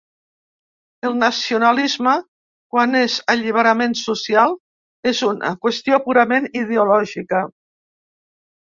El nacionalisme, quan és alliberament social, és una qüestió purament ideològica.